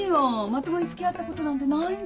まともに付き合ったことなんてないんだから。